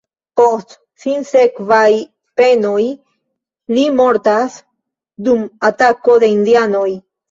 Post sinsekvaj penoj, li mortas dum atako de indianoj.